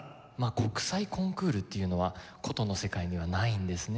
国際コンクールっていうのは箏の世界にはないんですね。